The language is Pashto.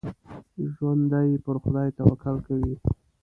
ژوندي پر خدای توکل کوي